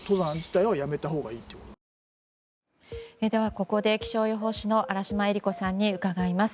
ここで気象予報士の荒嶋恵理子さんに伺います。